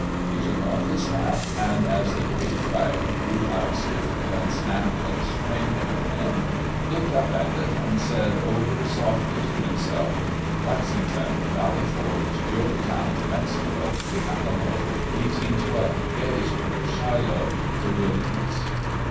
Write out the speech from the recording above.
He took off his hat, and, as the great flag grew out stiffer and snapped and strained in the wind, looked up at it and said over softly to himself: "Lexington, Valley Forge, Yorktown, Mexico, the Alamo, 1812, Gettysburg, Shiloh, the Wilderness."